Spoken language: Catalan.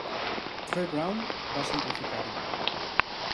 Troy Brown va simplificar-ho.